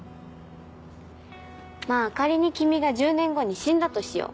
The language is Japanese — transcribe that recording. まあ仮に君が１０年後に死んだとしよう。